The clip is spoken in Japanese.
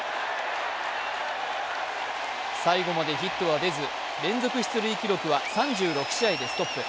最後までヒットは出ず、連続出塁記録は３６試合でストップ。